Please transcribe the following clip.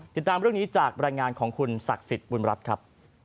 ติดตามเรื่องนี้จากบรรยายงานของคุณศักดิ์สิทธิ์บุญรัฐครับ